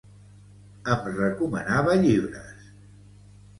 Em recomanava llibres